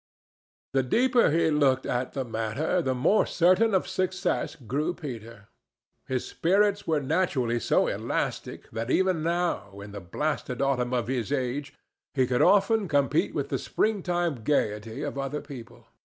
The deeper he looked at the matter, the more certain of success grew Peter. His spirits were naturally so elastic that even now, in the blasted autumn of his age, he could often compete with the springtime gayety of other people.